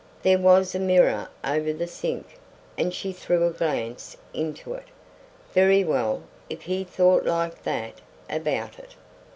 There was a mirror over the sink, and she threw a glance into it. Very well; if he thought like that about it.